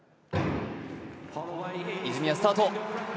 泉谷、スタート。